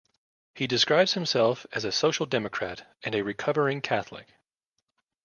He describes himself as a social democrat and a "recovering Catholic".